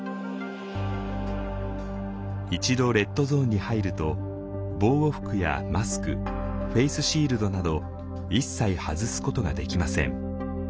一度レッドゾーンに入ると防護服やマスクフェースシールドなど一切外すことができません。